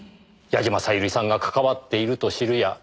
矢嶋小百合さんが関わっていると知るや。